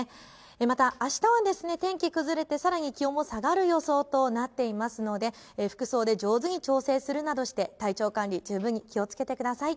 またあしたは天気崩れてさらに気温も下がる予想となっていますので服装で上手に調整するなどして体調管理、十分に気をつけてください。